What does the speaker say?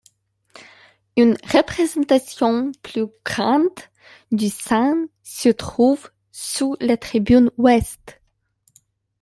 Une représentation plus grande du saint se trouve sous la tribune ouest.